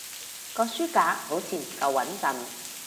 個書架好似唔夠穏陣